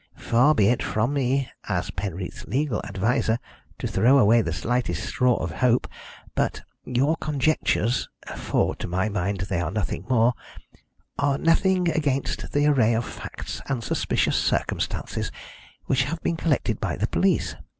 Far be it from me, as Penreath's legal adviser, to throw away the slightest straw of hope, but your conjectures for, to my mind, they are nothing more are nothing against the array of facts and suspicious circumstances which have been collected by the police.